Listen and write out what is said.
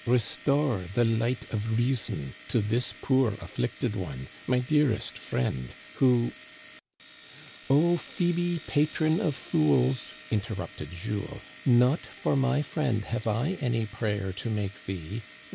Restore the light of reason to this poor afflicted one, my dearest friend, who —" "O Phoebe, patron of fools," interrupted Jules, " not for my friend have I any prayer to make thee.